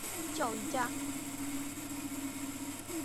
教育家。